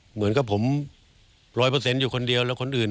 เหมือนกับผมร้อยเปอร์เซ็นต์อยู่คนเดียวแล้วคนอื่น